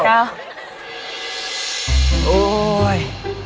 เฮ้ย